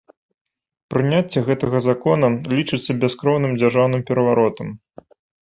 Прыняцце гэтага закона лічыцца бяскроўным дзяржаўным пераваротам.